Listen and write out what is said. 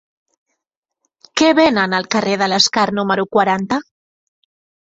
Què venen al carrer de l'Escar número quaranta?